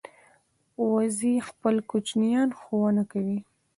وزې خپل کوچنیان ښوونه کوي